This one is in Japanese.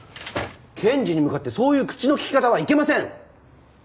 検事に向かってそういう口の利き方はいけません！